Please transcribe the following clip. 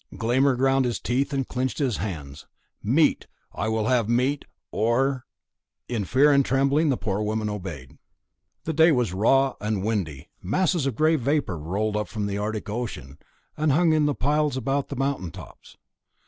Glámr ground his teeth and clenched his hands. "Meat! I will have meat, or " In fear and trembling the poor woman obeyed. The day was raw and windy; masses of grey vapour rolled up from the Arctic Ocean, and hung in piles about the mountain tops.